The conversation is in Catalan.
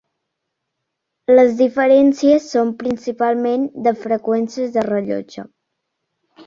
Les diferències són principalment de freqüències de rellotge.